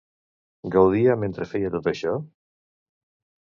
Gaudia mentre feia tot això?